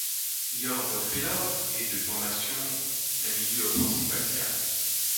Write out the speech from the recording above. Lior Refaelov est de formation un milieu offensif axial.